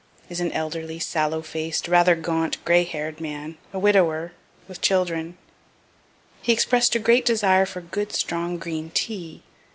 Is an elderly, sallow faced, rather gaunt, gray hair'd man, a widower, with children. He express'd a great desire for good, strong green tea.